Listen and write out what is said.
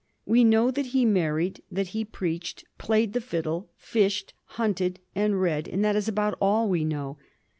We know that he married, that he preached, played the fiddle, fished, hunted, and read, and that is about all we know.